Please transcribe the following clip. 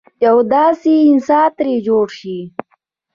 یو داسې انسان ترې جوړ شي.